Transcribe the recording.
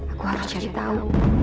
aku harus cari tahu